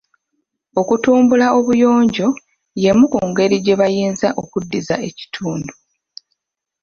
Okutumbula obuyonjo y'emu ku ngeri gye bayinza okuddiza ekitundu.